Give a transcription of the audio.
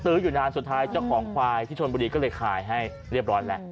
อยู่นานสุดท้ายเจ้าของควายที่ชนบุรีก็เลยขายให้เรียบร้อยแล้ว